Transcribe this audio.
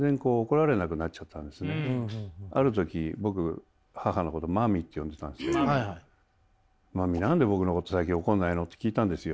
ある時僕母のことマミーって呼んでたんですけど「マミー何で僕のこと最近怒らないの？」って聞いたんですよ。